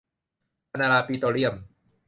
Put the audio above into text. อานีลาปิโตรเลียม